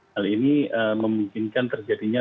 hal ini memungkinkan terjadinya